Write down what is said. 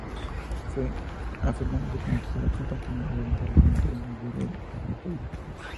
Fue afirmándose como titular, compartiendo delantera con el "Torito" Aguirre y Ernesto Vidal.